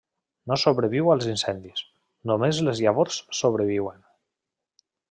No sobreviu als incendis, només les llavors sobreviuen.